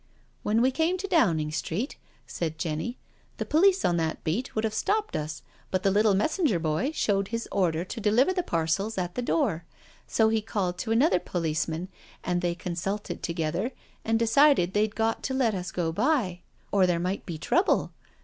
" When we came to Downing Street," said Jenny, " the police on that beat would have stopped us, but the little messenger boy showed his order to deliver the parcels at the door, so he called to another police man and they consulted together and decided they'd got to let us go by or there might be trouble.